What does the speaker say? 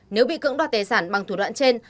nếu bị cưỡng đoạt tài sản bằng thủ đoạn trên